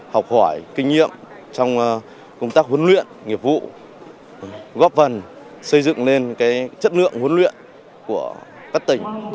học hỏi kinh nghiệm trong công tác huấn luyện nghiệp vụ góp phần xây dựng lên chất lượng huấn luyện của các tỉnh